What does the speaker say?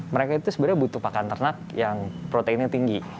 mereka itu sebenarnya butuh pakan ternak yang proteinnya tinggi